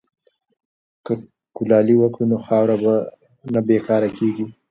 که کلالي وکړو نو خاوره نه بې کاره کیږي.